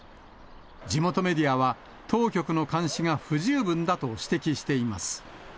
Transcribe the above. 地元メディアは当局の監視が不十分だと指摘しています。